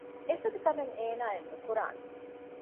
އެފަދަ ކަމެއް އޭނާއެއް ނުކުރާނެ